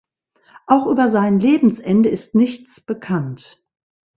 Auch über sein Lebensende ist nichts bekannt.